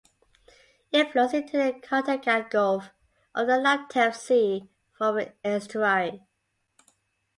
It flows into the Khatanga Gulf of the Laptev Sea, forming an estuary.